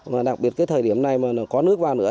và đặc biệt cái thời điểm này mà nó có nước vào nữa